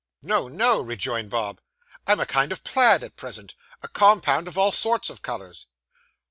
'No, no,' rejoined Bob, 'I'm a kind of plaid at present; a compound of all sorts of colours.